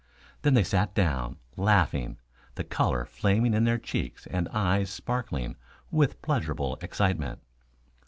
Then they sat down, laughing, the color flaming in their cheeks and eyes sparkling with pleasurable excitement.